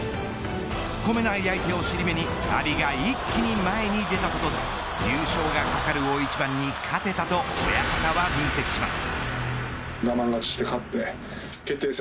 突っ込めない相手を尻目に阿炎が一気に前に出たことが優勝が懸かる大一番に勝てたと親方は分析します。